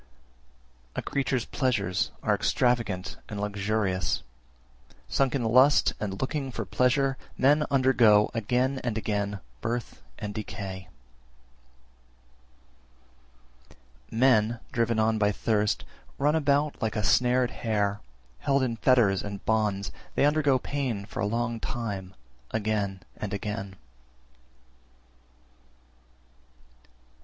A creature's pleasures are extravagant and luxurious; sunk in lust and looking for pleasure, men undergo (again and again) birth and decay. 342. Men, driven on by thirst, run about like a snared hare; held in fetters and bonds, they undergo pain for a long time, again and again.